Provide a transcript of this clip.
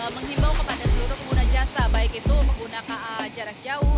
menghimbau kepada seluruh pengguna jasa baik itu menggunakan jarak jauh